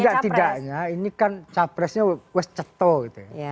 tapi setidaknya ini kan capresnya wes ceto gitu ya